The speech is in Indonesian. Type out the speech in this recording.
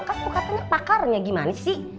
kan aku katanya pakarnya gimana sih